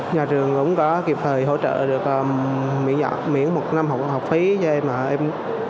nhà trường cũng có kịp thời hỗ trợ được miễn một năm học phí cho em